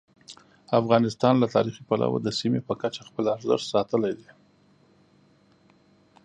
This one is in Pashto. افغانستان له تاریخي پلوه د سیمې په کچه خپل ارزښت ساتلی دی.